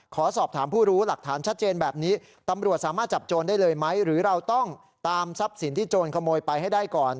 ขอสอบถามผู้รู้หลักฐานชัดเจนแบบนี้ตำรวจสามารถจับโจรได้เลยไหมหรือเราต้องตามทรัพย์สินที่โจรขโมยไปให้ได้ก่อน